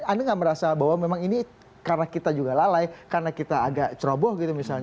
anda nggak merasa bahwa memang ini karena kita juga lalai karena kita agak ceroboh gitu misalnya